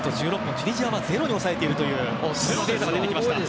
チュニジアはゼロに抑えているというデータが出てきました。